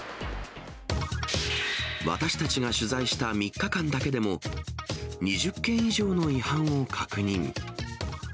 私たちが取材した３日間だけでも、２０件以上の違反を確認。